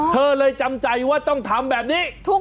เธอเลยจำใจว่าต้องทำแบบนี้